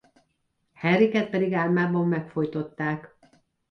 Henriket pedig álmában megfojtották.